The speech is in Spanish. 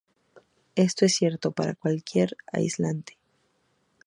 Esto es cierto para cualquier aislante.